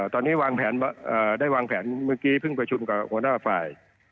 ตอนนี้ได้วางแผนเมื่อกี้เพิ่งไปชุดกับหัวหน้าฝ่าย